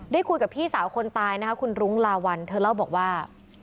คุยกับพี่สาวคนตายนะคะคุณรุ้งลาวัลเธอเล่าบอกว่า